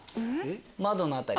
窓の辺り。